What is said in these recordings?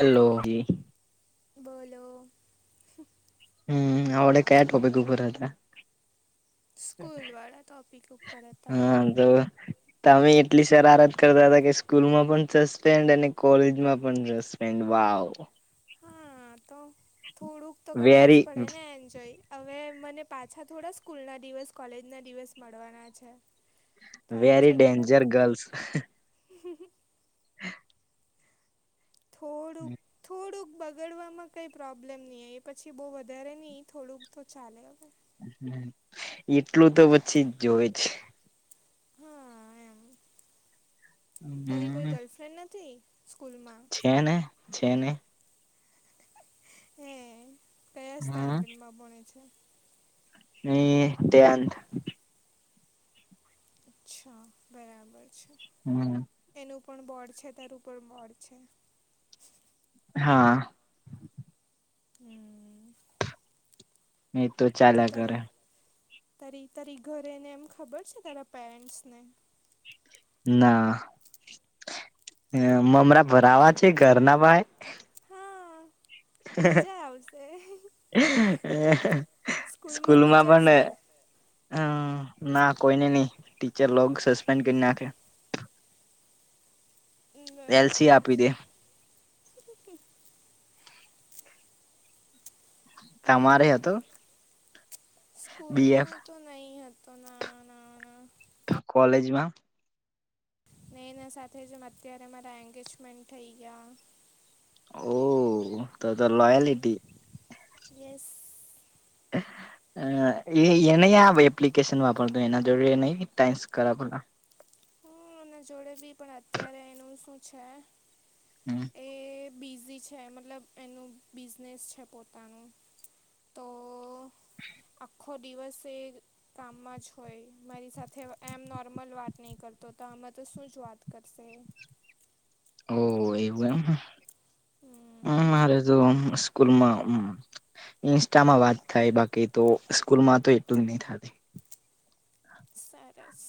Hello જી બોલો હમ્મ આવળે કયા ટોપિક ઉપર હતા સ્કૂલવાડા ટોપિક ઉપરતાં [inaudible] તમે એટલી સરારત કરતા હતા કે સ્કૂલ માં પણ સસ્પેન્ડ અને કોલેજમાં પણ રપે પેન વાવ હા તો થોડુંક તો કરવા જ પડે ને એન્જોય હવે મને પાછા થોડા સ્કૂલ ના દિવસ કોલેજ ના દિવસ મળવાના છે વેરી ડેન્જર ગલ્સ [inaudible] કોડ થોડુંક બગાડવામાં કંઈ પ્રોબ્લેમ નહીં એ પછી બહુ વધારે નહીં થોડુંક તો ચાલે હવે હ એટલું તો પછી જોવે જ હા એમ હમ્મ તારી કોઈ ગર્લફ્રેન્ડ નથી છેેને છેેને હે કયા સ્ટેન્ડર મા ભળે છે હમ્મ ટેન્થ અચ્છા બરાબર છે હમ્મ એનું પણ બોડ છે તારું પણ બોડ છે હા હમ્મ એતો ચ તો તારી તારી તારી ઘરેને એમ ખબર છે તારા પેરેન્ટ્સને ના મમરા ભરાવા છે ઘરના પાય મજા આવશે સ્કૂલમાં ટીચર્સ ને હમ્મ ના કોઈ ને ની ટીચર લોગ સસપેન્ડ કરી નાખે. બરાબર [unintelligible] તમારે હતો. સ્કૂલમાં તો નહીં હતો ના ના ના. તો કોલેજમાં. ને એના સાથે જ અત્યારે મારા એંગેજમેન્ટ થઈ ગયા. ઓહ તો તો લોયાલીટી. યસ. [unintelligible] અ યે એ નહીં આવે એપ્લિકેશન વાપરત એના જોડે નહી ટાઈન્સ [unintelligible] હું ને જોડેલી પણ અત્યારે એનું શું છે. હમ્મ. એ બિઝી છે મતલબ એનું બિઝનેસ છે પોતાનું. તો આખો દિવસે એ કામમાં જ હોય મારી સાથે એમ નોર્મલ વાત ની કર તો તો આમાં તો શું જ વાત કરશે. ઓ એવું એમ હું મારે તો સા સ્કૂલમાં ઇન્સ્ટામાં વાત થાય બાકી તો સ્કૂલમાં તો એટલુ ની થતી. સરસ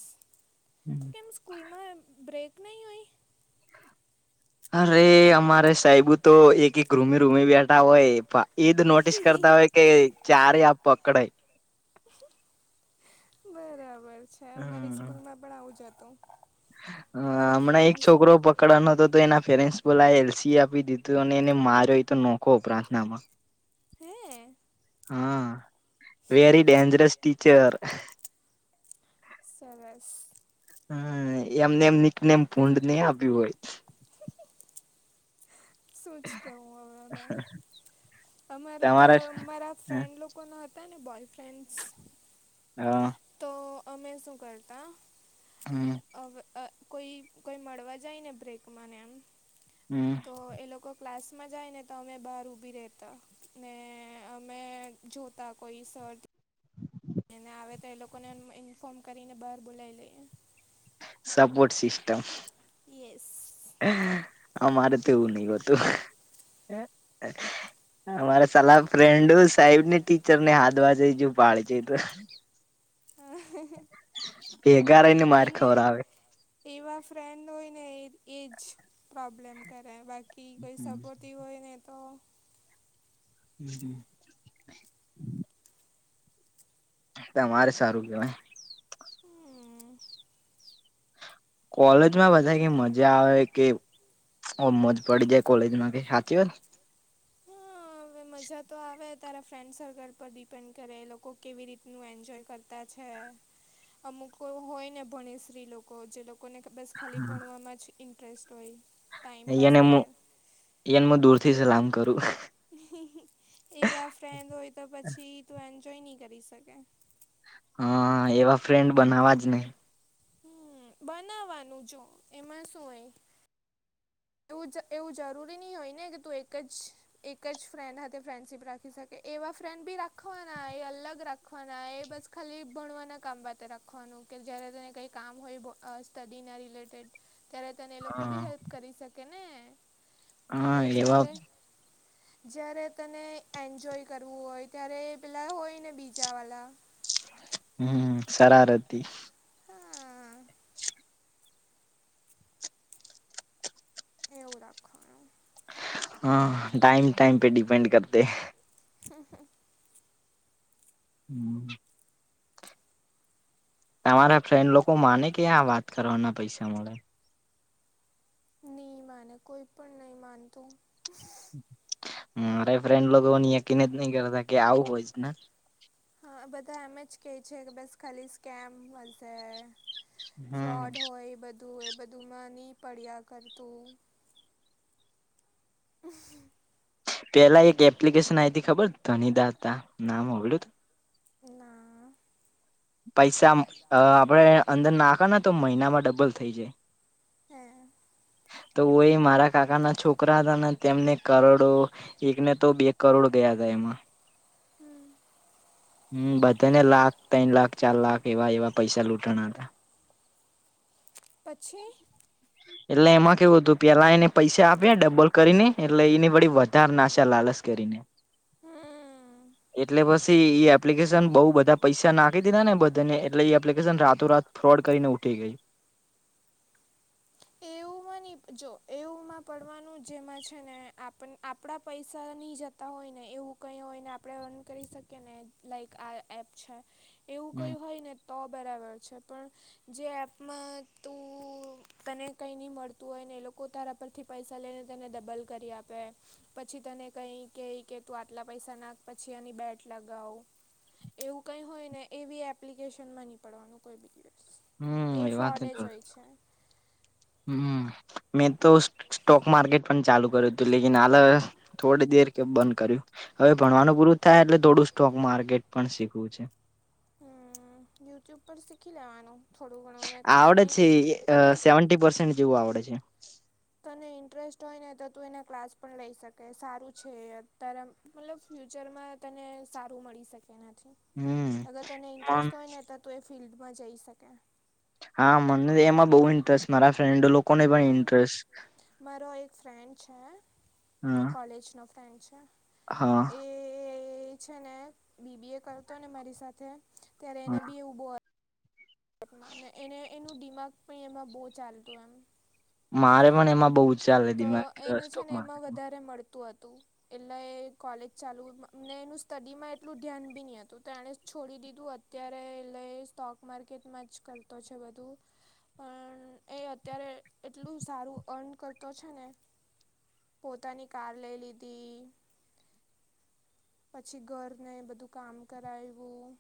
કેમ સ્કૂલમાં બ્રેક નહીં હોય. અરે અમારે સાહેબુ તો એક એક રૂમ રૂમ બેઠા હોય એ જ નોટિસ કરતા હોય કે ચારે આ પકડઈ [unintelligible] બરાબર છે અમારી સ્કૂલમાં પણ આવું જ હતું. આ હમણાં એક છોકરો પા પકડા નો હતો તો એના પેરેન્ટ્સ બોલા એલસી આપી દીધું અને એને માર્યો તો નખો પ્રાર્થનામાં. [inaudible] હે એ. હા વેરી ડેન્જરસ ટીચર. સરસ. હમ્મ એમને એમ નીક ને એમ ભૂંડ નઈ આપ્યું હોય. શુંજ કેવું અવે અમે અમારું તો અવે અમારા ફ્રેન્ડ લો લોકો ના હતા ને બોયફ્રેન્ડસ હા. તો અમે શું કરતા હમ્મ. અવે આ કોઈ કોઈ મળવા જાય ને બ્રેકમાંને એમ હમ્મ. તો એ લોકો ક્લાસમાં જાય ને તો અમે બહાર ઊભી રહેતા ને અમે જોતા કોઈ શર્ટ એને આવે તો એ લોકોને ઇન્ફોર્મ કરીને બહાર બોલાવી લઈએ. Support system yes. [unintelligible] અમારે તો એવું નઈ હોતું. અમારા સલાહ ફ્રેન્ડો સાહેબ ને ટીચર ને હાથ [unintelligible] ભાડજે તો. ભેગા રઈને માર ખવડાવે. એવા ફ્રેન્ડ હોય ને એ એજ પ્રોબ્લેમ કરાય બા કિ કોઈ સપોર્ટીવ હોયને તો હામ હામ. તમારે સારું કેવાય. કોલેજમાં બધા કઈ મજા આવે કે ઓમ જ પડી જાય કોલેજમાં કઈ સાચી વાત. હવે મજા તો આવે તારા ફ્રેન્ડ સર્કલ પર ડિપેન્ડ કરે એ લોકો કેવી રીતનું એન્જોય કર હોય છે, અમુક એવું હોય ને ભને શ્રી લોકો જે લોકો લોકોને બસ ખાલી ભણવામાં જ ઇન્ટરેસ્ટ હોય. યાને એને હું દૂરથી સલામ કરું. એવા ફ્રેન્ડ હોય તો પછી તું એન્જોય નહી કરી શકે. હા એવા ફ્રેન્ડ બનાવા જ નહી. હ બનાવવાનું જો એમાં શું હોય. એવું જ એવું જરૂરી નહી હોય ને કે તું એક જ એક જ ફ્રેન્ડ સાથે ફ્રેન્ડશીપ રાખી શકે એવા ફ્રેન્ડ બી રાખવાના એ અલગ રાખ હોળાએ એ બસ ખાલી ભણવાના કામ માટે રાખવાનું કે જયારે તેને કઈ કામ હોય. સ્ટડી ના રિલેટેડ, ત્યારે તને એ લોકો બી હેલ્પ કરી શકે ને. નજરા એ જયારે તને એન્જોય કરવું હોય ત્યારે પેલા હોય ને બીજા વાલા. હમ સરારતિ. એવું રાખવાનું. હા ટાઈમ ટાઈમ પે ડિપેન્ડ કરતે. હા હા [unintelligible] હમ. તમારા ફ્રેન્ડ લોકો માને કે આ વાત કરવાના પૈસા મળે? નહી માને કોઈ પણ નહી માન તું. મારે ફ્રેન્ડ લોકો યકીન જ નહી કરતા કે આવું હોય જ ને. હા બધા એમ જ કેહે છે કે બસ ખાલી સ્કેમ હશે. હ [unintelligible] ફ્રોડ હોય એ બધું હોય એ બધુંમાં નહીં પડ્યા કરતું. હ [unintelligible] પેલા એક એપ્લિકેશન આ ત ખબર ધનદાતા નામ ઓલું હતું? ના. પૈસા આપડે અંદર નાખા ને તો મહિનામાં ડબલ થઈ જાય. હા. તો ઓય મારા કાકાના છોકરા હતા ને તેમને કરોડો એકને તો બે કરોડ ગયા હતા એમાં. હમ. હમ બધાને લાખ ત્રણ લાખ ચાર લાખ એવા એવા પૈસા લૂંટાના હતા. પછી? એટલે એમાં કેવું હતું પેલા એને પૈસા આપ્યા ડબલ કરીને એટલે એની બી વધારે નાશ લાલસ કરીને. એટલે પછી ઈ એપ્લિકેશન બહુ બધા પૈસા નાખી દીધા ને બધાને એટલે એપ્લિકેશન રાતો રાત ફ્રોડ કરીને ઉઠી ગઈ. [inaudible] જો એવુંમાં પડવાનું જેમાં છે ને આપણા પૈસાની જ હોય ને એવું કઈ હોય ને આપડણે રન કરી શકીએ ને લાઈક આ એપ છે. એવું કોઈ હોય ને તો બરાબર છે પણ, જે એપમાં તું તને કંઈ નહી મળતું હોય ને એ લોકો તારા પરથી પૈસા લઈને તેને ડબલ કરી આપે. પછી તને કઈ કે કે તું આટલા પૈસા નાખ પછી એની બેટ લગાવ. એવું કઈ હોય ને એ બી એપ્લિકેશન મા નની પડવાનું કોઈ બી દિવસ. એ ફ્રોડ જ હોય છે. હમ, મેં તો સ્ટોક માર્કેટ પણ ચાલુ કર્યું હતું લેક હાલ થોડી દેર કે બંધ કર્યું, હવે ભણવાનું પૂરું થાય એટલે થોડું સ્ટોક માર્કેટ પણ શીખવું છે. હમ યુટ્યુબ પર શીખી લેવાનો. આવડે છે સેવી પસેન્ટ જેવું આવડે છે. તને ઇન્ટરેસ્ટ હોય ને તો તું એના ક્લાસ પણ લઈ શકે સારું છે અત્યારે. મતલબ ફ્યુચરમાં તને સારું મળી શકે નથી અગર તને ઇન્ટરેસ્ટ હોય ને તો તું એ ફિલ્ડમાં જઈ શકે. હા મને એમાં બહુ ઇન્ટરેસ્ટ મારા ફ્રેન્ડ લોકોને પણ ઇન્ટરેસ્ટ. મારો એક ફ્રેન્ડ છે, કોલેજનો ફ્રેન્ડ છે. હા. એ છે ને બી બી એ કરતો ને મારી સાથે ત્યારે એને બી એવું બો એને એનું દિમાગ પણ એમાં બહુ ચાલતું એમ. મારે પણ એમાં બઉ ચાલ લીધી મે સ્ટોક માર્કેટમાં. તોવા તું એટલે કોલેજ ચાલુને એનું સ્ટડીમાં એટલું ધ્યાન બી નહ હતું તો એણે છોડી દીધું હતું. અત્યારે લઈ સ્ટોક માર્કેટમાં જ કરતો છે બધું. પણ એ અત્યારે એટલું સારું અર્ન કરતો છે ને પોતાની કાર લઈ લીધી. પછી ઘરને બધું કામ કરાવું.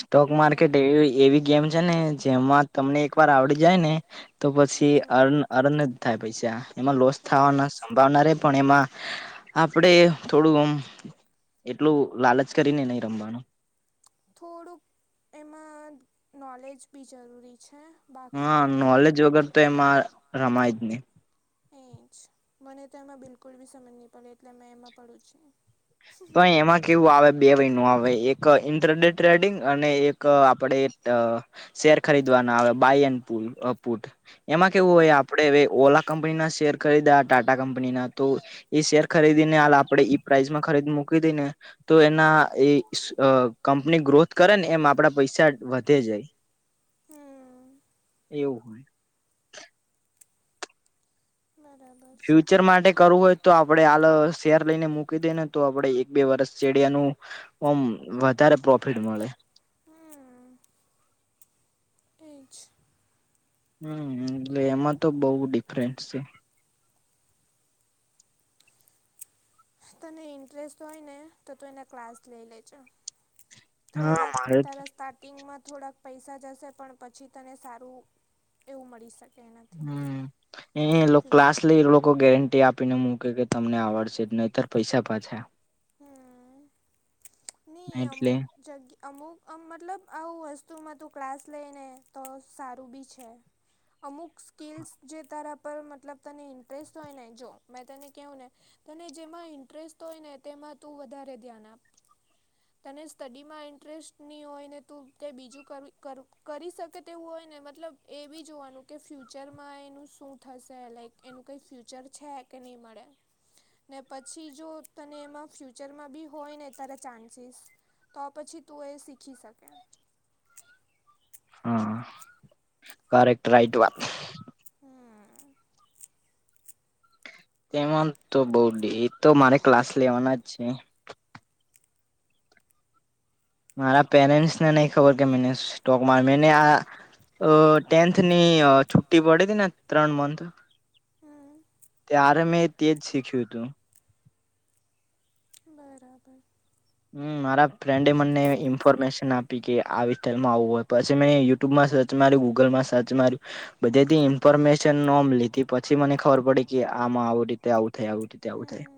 સ્ટોક માર્કેટ એ એવી ગેમ છે ને જેમાં તમને એક વાર આવડી જાય ને તો પછી અન અર્ન જ થાય પૈસા, એમાં લોસ થવાની સંભાવના રે પણ એમાં આપડે થોડું આમ એટલું લાલચ કરીને નઈ રમવાનું. થોડુંક એમાં નૉલેજ બી જરૂરી છે. હા નોલેજ વગર તો એમાં રમાય જ ને. એ જ મને તો એમાં બિલકુલ બી સમજ નહી પડે એટલે મેં એમાં પડું જ ની. તો એમાં કેવું આવે બે વય નું આવે એક એક ઇન્ટરનેટ ટ્રેડિંગ અને એક આપડે અ શેર ખરીદવાના આવે બાય એન પુ પુટ. એમાં કેવું હોય આપે ઓલા કંપની ના શેર ખરીદા ટાટા કંપનીના તો શેર ખરીદીને હાલ આપણેેઈ પ્રાઇસ માં ખરીદી મૂકી ને તો એના કંપની ગ્રોથ કર ને એમ આપડા પૈસા વધે જાય. હમ્મ. એવું હોય. ફ્યુચર માટે કરવું હોય તો આપડે આલ શેર લઈને મૂકી દે ને તો આપડે એક બે વરસ ચેડિયાનું ઓમ વધારે પ્રોફિટ મળે. હમ્મ. એજ. હમ્મ, એટલે એમાં તો બહુ ડિફરન્સ છે. તને ઇન્ટરેસ્ટ હોય ને તો તું એને ક્લાસ લઈ લેજો. થોડાક તારા સ્ટાર્ટ ટિંગમાં થોડાક પૈસા જશે પણ પછી તને સારું એવું મળી શકે. હમ્મ, એ ક્લાસ એટલે એ લોકો ગેરંટી આપીને મૂકે કે તમને આવડશે નહીતર પૈસા પાછા. હમ્મ, ની અમુક જગ્યા અમુક આમ મતલબ આવું વસ્તુમાં તું ક્લાસ લઈને તો સારું બી છે. અમુક સ્કીલસ જે તારા પર મતલબ તને ઇન્ટરેસ્ટ હોય ને જો મેં તને કહું ને તને જેમાં ઇન્ટરેસ્ટ હોય ને તેમાં તું વધારે ધ્યાન આપ. તને સ્ટડીમાં ઇન્ટરેસ્ટ નહીં હોય ને, તું તે બીજું કરી શકે તેવું હોય ને, મતલબ. એ બી જોવાનું કે, ફ્યુચરમાં એનું શું થશે, લાઈક એનું કંઈ ફ્યુચર છે કે નહીં મળે. ને પછી જો તને એમાં ફ્યુચરમાં બી હોય ને ત્યારે ચા ચીસ તો પછી તું એ શીખી શકે. હા, કરરેક્ટ રાઈટ વાત. હમ્મ. તેમાં તો બહુ, એ તો મારે ક્લાસ લેવાના જ છે. મારા પેરેન્ટ્સને નહીં ખબર કે, મે સ્ટોક મા મેને આ ટેન્થની છુટ્ટી પડી હતી ને, ત્રણ મંથ. હા. ત્યારે મેં તે જ શીખ્યું હતું. બરાબર. હમ, મારા ફ્રેન્ડ મને. ઇન્ફોર્મેશન આપી કે, આ વિસ્તારમાં આવવું હોય, પછી મેં યુટ્યુબમાં સર્ચ માર્યું, ગુગલમાં સર્ચ માર્યું. બધેથી ઇન્ફોર્મેશન નામે લીધી, પછી. પછી મને ખબર પડી કે, આમાં આવ રીતે આવું થાય, આવી રીતે આવું થાય.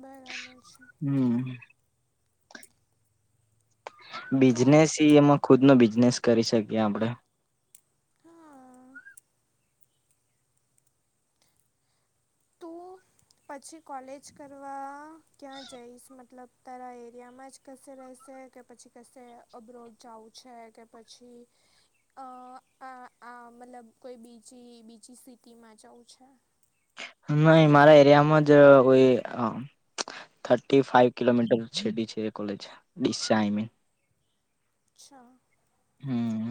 બરાબર છે. હમ. બિઝનેસ એમાં ખુદ નો બિઝનેસ કરી શકીએ આપણે. હા. તું પછી કોલેજ કરવા ક્યાં જઈશ, મતલબ? તારા એરિયામાં જ કશે રહેશે કે પછી, કશે અબરોડ જવું છે કે પછી? આ આ મતલબ કોઈ બીજી-બીજી સિટીમાં જવું છે. ન મારા એરિયામાં જ કોઈ થર્ટી ફાઈવ કિલોમીટર છે, બીજી કોલેજ. અચ્છા. હમ,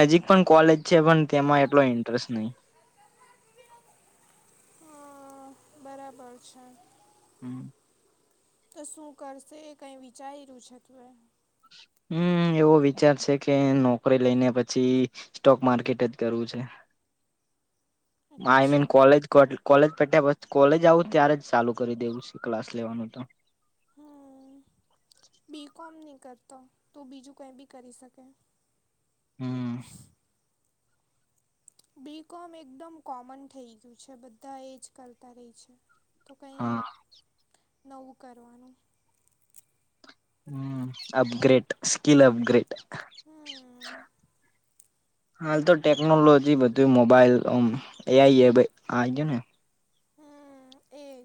નજીક પણ કોલેજ છે, પણ તેમાં એટલો ઇન્ટરેસ્ટ નહીં. હા, બરાબર છે. હમ. તો શું કરશે એ કઈ વિચારી રહ્યું છે તે એ? હમ, એવો વિચાર છે કે, નોકરી લઈ ને પછી. સ્ટોક માર્કેટ જ કરવું છે, આઈ મીન કોલેજ? કોલેજ પટ્યા પછી, કોલેજ આવું ત્યારે જ ચાલુ કરી દેવું છે ક્લાસ લેવાનું તો. બી. કોમ નહીં કરતો તો, બીજું કંઈ બી કરી શકે. હમ. બી. કોમ એકદમ કોમન થઈ ગયું છે, બધા એજ કરતા રહે છે. તો કંઈ નવું કરવાનું. Hmm, upgrade skill, upgrade. હાલ તો ટેકનોલોજી બધું, મોબાઈલ, એઆઈ એ આ ગયો ને. હમ, એક